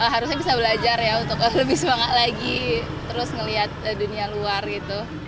harusnya bisa belajar ya untuk lebih semangat lagi terus ngelihat dunia luar gitu